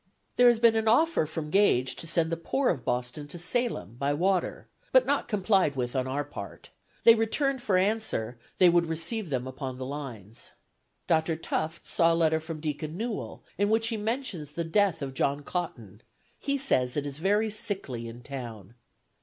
"There has been an offer from Gage to send the poor of Boston to Salem, by water, but not complied with on our part; they returned for answer, they would receive them upon the lines. Dr. Tufts saw a letter from Deacon Newall, in which he mentions the death of John Cotton; he says it is very sickly in town.